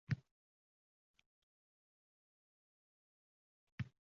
Lekin, mayli, men rahmdilman, evaziga yarim paxtangni berasan.